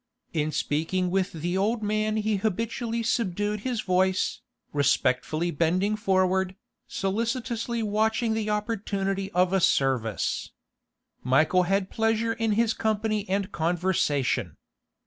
In speaking with the old man he habitually subdued his voice, respectfully bending forward, solicitously watching the opportunity of a service. Michael had pleasure in his company and conversation.